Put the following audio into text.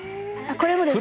これもです。